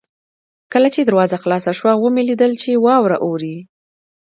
کله چې دروازه خلاصه شوه ومې لیدل چې واوره اورې.